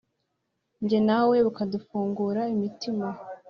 Njye nawe bukadufungura imitima